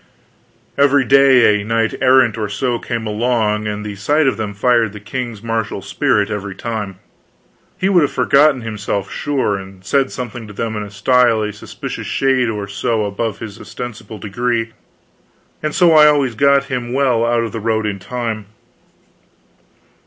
Every day a knight errant or so came along, and the sight of them fired the king's martial spirit every time. He would have forgotten himself, sure, and said something to them in a style a suspicious shade or so above his ostensible degree, and so I always got him well out of the road in time.